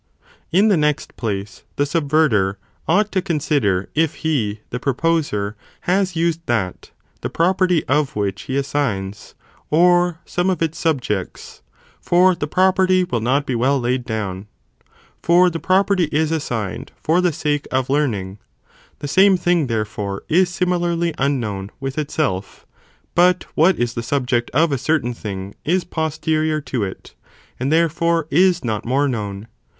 1 Observe [Ν the next place, the subverter (ought to con whether the sider) if he (the proposer) has used that, the pro thing iteel'is perty of which he assigns, or some of its (sub its assigned jects), for the property will not be well laid down. eee For the property is assigned, for the sake of learning; the same thing therefore is similarly unknown with itself, but what is the subject of a.certain thing is posterior to it, "and therefore is not more known.